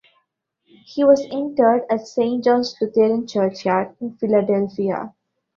He was interred at Saint John's Lutheran Churchyard in Philadelphia.